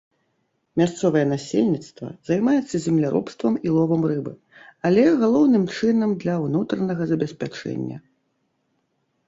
Мясцовае насельніцтва займаецца земляробствам і ловам рыбы, але, галоўным чынам, для ўнутранага забеспячэння.